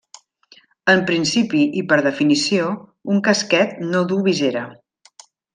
En principi, i per definició, un casquet no duu visera.